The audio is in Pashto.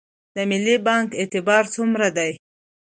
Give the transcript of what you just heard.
د ملي بانک اعتبار څومره دی؟